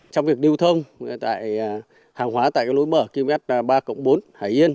trong việc điều thông hàng hóa tại lối mở kimét ba bốn hải yên